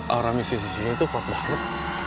aura misi sini tuh kuat banget